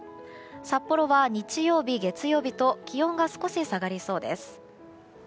札幌は日曜日、月曜日と少し気温が下がりそうです。